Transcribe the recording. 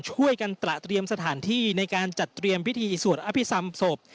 ช่วยกันตระเตรียมสถานที่ในการจัดเตรียมพิธีสวดอภิษฐรรมศพ